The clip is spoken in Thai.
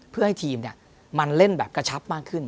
เพื่อให้ทีมมันเล่นแบบกระชับมากขึ้น